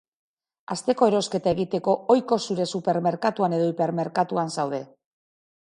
Asteko erosketa egiteko ohiko zure supermerkatuan edo hipermerkatuan zaude.